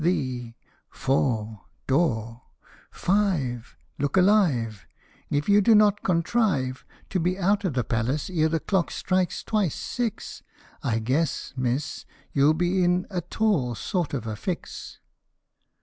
the 66 CINDERELLA. Four ! door. Five ! look alive ! If you do not contrive To be out of the place ere the clock strikes twice six, I guess, Miss, you '11 be in a tall sort of a fix.